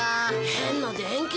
変な電球。